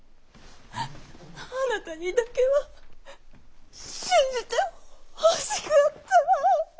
あなたにだけは信じてほしかった。